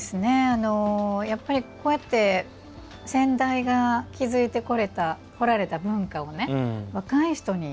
やっぱり、こうやって先代が築いてこられた文化を、若い人に。